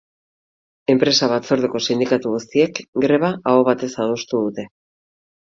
Enpresa batzordeko sindikatu guztiek greba aho batez adostu dute.